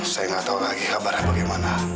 saya nggak tahu lagi kabarnya bagaimana